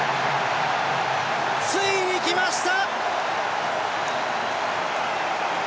ついにきました！